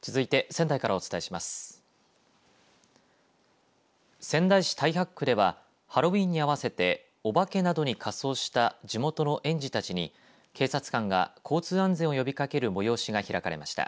仙台市太白区ではハロウィーンに合わせてお化けなどに仮装した地元の園児たちに警察官が交通安全を呼びかける催しが開かれました。